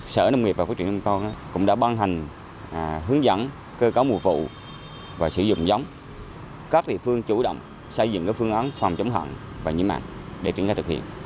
sở nông nghiệp và quyết truyền đông tôn cũng đã ban hành hướng dẫn cơ cấu mùa vụ và sử dụng giống các địa phương chủ động xây dựng các phương án phòng chống hận và nhiễm mạng để triển khai thực hiện